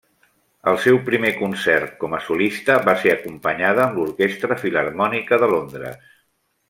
El seu primer concert com a solista va ser acompanyada amb l'orquestra Filharmònica de Londres.